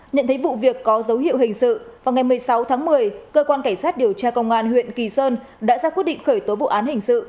nhận thấy vụ việc có dấu hiệu hình sự vào ngày một mươi sáu tháng một mươi cơ quan cảnh sát điều tra công an huyện kỳ sơn đã ra quyết định khởi tố vụ án hình sự